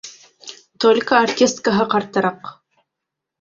Только артисткаһы ҡартыраҡ.